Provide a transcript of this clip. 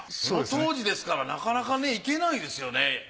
その当時ですからなかなか行けないですよね。